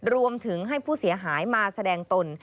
รวมถึงให้ผู้เสียหายมาแสดงตน